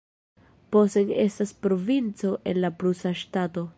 Posen estas provinco en la prusa ŝtato.